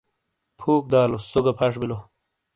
پھُوک دالوس سو گہ پھݜ بلو۔